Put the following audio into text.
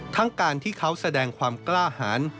ทั้งการที่เขาแสดงความกล้าหาร